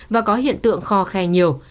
và có hiện tượng kho khe nhiều